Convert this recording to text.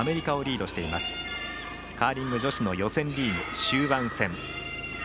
カーリング女子の予選リーグ終盤戦。